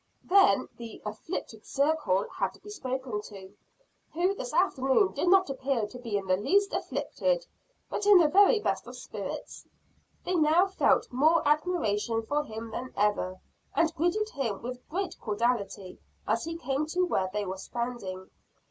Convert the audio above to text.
Then the "afflicted circle" had to be spoken to, who this afternoon did not appear to be in the least afflicted, but in the very best of spirits. They now felt more admiration for him than ever; and greeted him with great cordiality as he came to where they were standing.